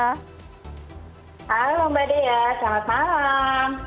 halo mbak dea selamat malam